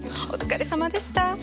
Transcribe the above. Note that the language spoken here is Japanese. お疲れさまでした。